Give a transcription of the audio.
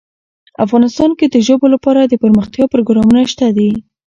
افغانستان کې د ژبو لپاره دپرمختیا پروګرامونه شته دي.